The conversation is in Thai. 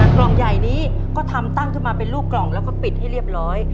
กล่องใหญ่นี้ก็ทำตั้งขึ้นมาเป็นลูกกล่องแล้วก็ปิดให้เรียบร้อย